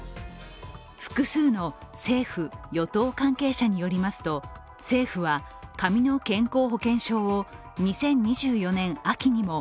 複数の政府・与党関係者によりますと政府は、紙の健康保険証を２０２４年秋にも